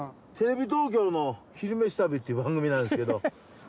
テレビ東京の「昼めし旅」っていう番組なんですけど。